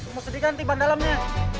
mau sedih kan tiban dalamnya